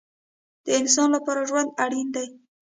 د انسان لپاره ژوند اړین دی